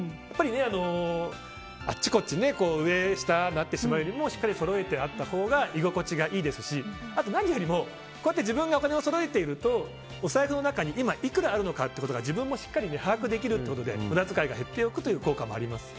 あっちこっち上、下になってしまうよりもしっかりそろえてあったほうが居心地がいいですしあと何よりも自分がお金をそろえているとお財布の中に今いくらあるのか自分もしっかり把握できるということで無駄遣いが減っていくという効果もあります。